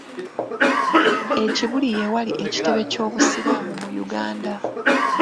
E kibuli we wali ekitebe ky’Obusiraamu mu Uganda.